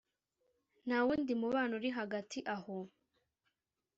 ntawundi mubano uri hagati aho